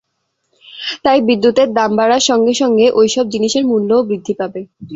তাই বিদ্যুতের দাম বাড়ার সঙ্গে সঙ্গে ওই সব জিনিসের মূল্যও বৃদ্ধি পাবে।